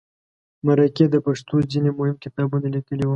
مرکې د پښتو ځینې مهم کتابونه لیکلي وو.